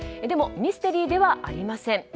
でもミステリーではありません。